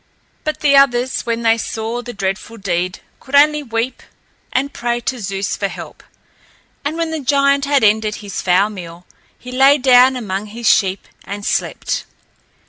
But the others, when they saw the dreadful deed, could only weep and pray to Zeus for help. And when the giant had ended his foul meal, he lay down among his sheep and slept.